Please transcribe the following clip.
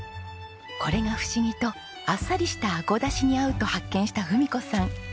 これが不思議とあっさりしたアゴダシに合うと発見した文子さん。